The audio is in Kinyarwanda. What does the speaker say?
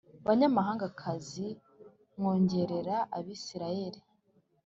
b abanyamahangakazi mwongerera Abisirayeli